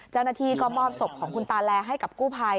เจ้าหน้าที่ก็มอบศพของคุณตาแลให้กับกู้ภัย